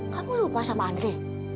kamu lupa sama andre